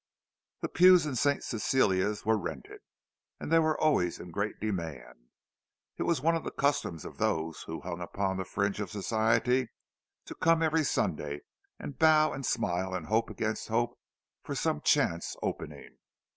The pews in St. Cecilia's were rented, and they were always in great demand; it was one of the customs of those who hung upon the fringe of Society to come every Sunday, and bow and smile, and hope against hope for some chance opening.